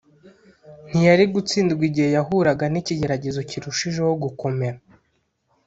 ntiyari gutsindwa igihe yahuraga n’ikigeragezo kirushijeho gukomera